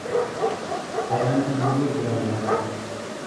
بەڕای من ئەمە زۆر گرانبەهایە.